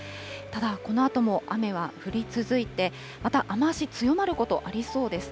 ただこのあとも雨は降り続いて、また雨足強まることもありそうです。